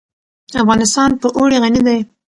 افغانستان په اوړي غني دی.